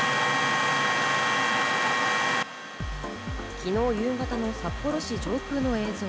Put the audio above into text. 昨日夕方の札幌市上空の映像。